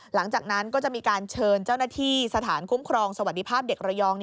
หลังจากนั้นก็จะมีการเชิญเจ้าหน้าที่สถานคุ้มครองสวัสดิภาพเด็กระยอง